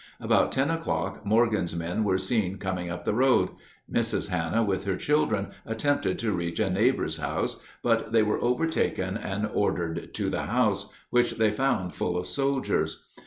About ten o'clock Morgan's men were seen coming up the road. Mrs. Hanna with her children attempted to reach a neighbor's house, but they were overtaken and ordered to the house, which they found full of soldiers.